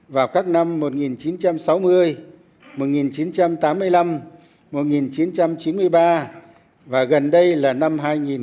vào các năm một nghìn chín trăm sáu mươi một nghìn chín trăm tám mươi năm một nghìn chín trăm chín mươi ba và gần đây là năm hai nghìn một mươi